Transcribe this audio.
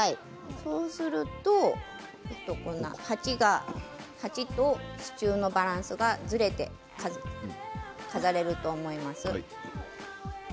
そうすると鉢と支柱のバランスがずれて飾れると思います。